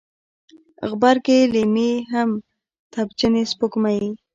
غبرګي لیمې لکه تبجنې سپوږمۍ